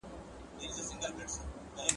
د ښځي لپاره «بدکار» ډېر لوی جرم و ګڼل سو